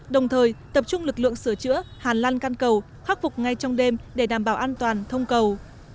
đồng thời tập trung lực lượng sửa chữa hàn lan căn cầu khắc phục ngay trong đêm để đảm bảo an toàn thông cầu